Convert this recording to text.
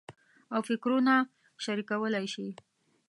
او فکرونه شریکولای شي.